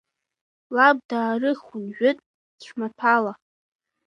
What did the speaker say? Лаб даарыхуан жәытә цәмаҭәала.